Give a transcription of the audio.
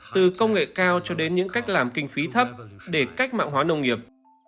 từ công nghệ cao cho đến những cách làm kinh phí thấp để cách mạng hóa nông nghiệp